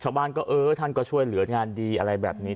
ชาวบ้านก็เออท่านก็ช่วยเหลืองานดีอะไรแบบนี้